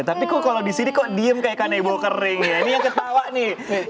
tapi kok kalau di sini kok diem kayak kanebo kering ya ini yang ketawa nih